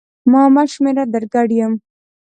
ما مه شمېره در ګډ یم